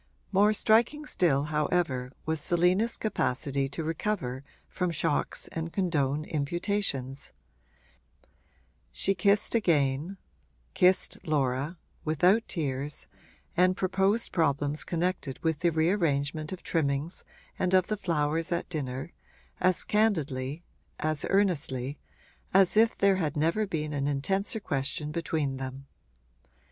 More striking still however was Selina's capacity to recover from shocks and condone imputations; she kissed again kissed Laura without tears, and proposed problems connected with the rearrangement of trimmings and of the flowers at dinner, as candidly as earnestly as if there had never been an intenser question between them.